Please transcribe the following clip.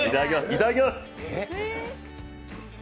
いただきます！